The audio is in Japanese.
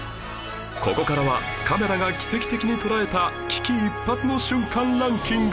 ここからはカメラが奇跡的に捉えた危機一髪の瞬間ランキング